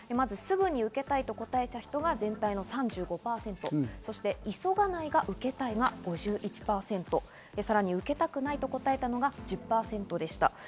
すぐに受けたいと答えた人が全体の３５％、急がないが受けたいが５１％、さらに受けたくないと答えたのが１０％でした。